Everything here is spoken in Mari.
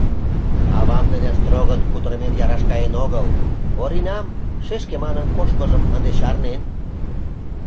Авам дене строгын кутырымем яраш каен огыл, Оринам шешке манын коштмыжым ынде чарнен.